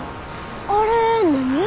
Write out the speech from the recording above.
あれ何？